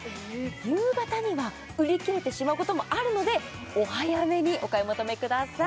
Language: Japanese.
夕方には売り切れてしまうこともあるのでお早めにお買い求めください